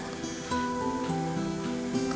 kamu selalu ada buat aku